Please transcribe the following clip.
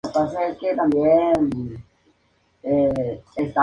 Jason es miembro de la Fraternidad Alfa Pi Kappa.